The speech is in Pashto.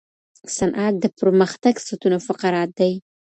صنعت د پرمختګ ستون فقرات دی.